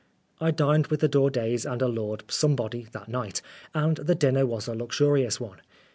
I dined with the Daudets and a Lord Somebody that night, and the dinner was a luxurious one.